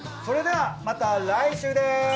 それではまた来週です！